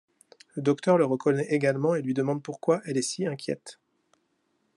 Le Docteur le reconnait également et lui demande pourquoi elle est si inquiète.